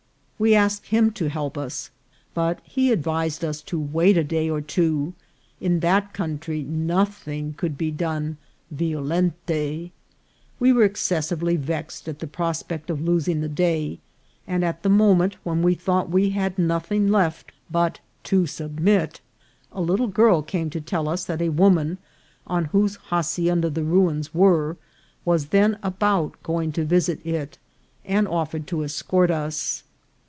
We asked him to help us, but he advised us to wait a day or two ; in that country nothing could be done vio lenter. We were excessively vexed at the prospect of losing the day ; and at the moment when we thought we had nothing left but to submit, a little girl came to tell us that a woman, on whose hacienda the ruins were, was then about going to visit it, and offered to escort us.